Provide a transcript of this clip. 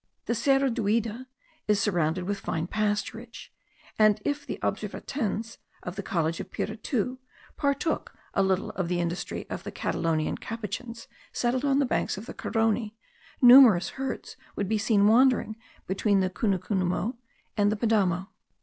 The Cerro Duida is surrounded with fine pasturage; and if the Observantins of the college of Piritu partook a little of the industry of the Catalonian Capuchins settled on the banks of the Carony, numerous herds would be seen wandering between the Cunucunumo and the Padamo.